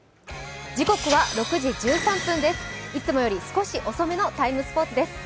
いつもより少し遅めの「ＴＩＭＥ，スポーツ」です。